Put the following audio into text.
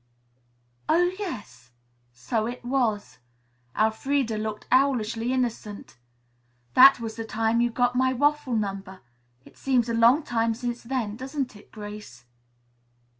"Oh, yes! So it was." Elfreda looked owlishly innocent. "That was the time you got my waffle number. It seems a long while since then, doesn't it, Grace?"